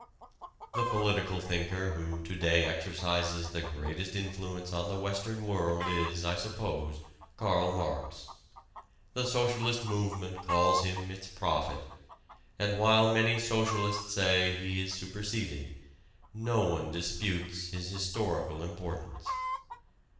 The political thinker who to day exercises the greatest influence on the Western World is, I suppose, Karl Marx. The socialist movement calls him its prophet, and, while many socialists say he is superseded, no one disputes his historical importance.